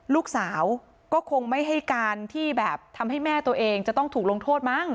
ลูกสาวก็คงไม่ให้การที่แบบทำให้แม่ตัวเองจะต้องถูกลงโทษมั้ง